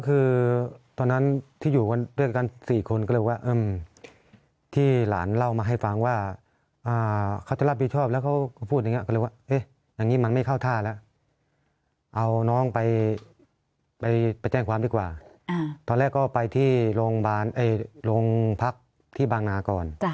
เอาน้องไปไปไปแจ้งความดีกว่าอ่าตอนแรกก็ไปที่โรงพักที่บางนาก่อน